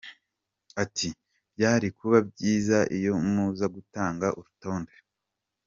Ati “Byari kuba byiza iyo muza gutanga urutonde.